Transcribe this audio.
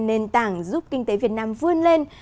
nền tảng giúp kinh tế việt nam vươn lên